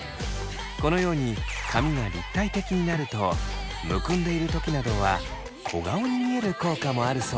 このように髪が立体的になるとむくんでいる時などは小顔に見える効果もあるそうです。